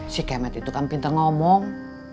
si kemet itu kan pinter ngomong